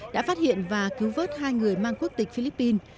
đã phát hiện và cứu vớt hai người mang quốc tịch philippines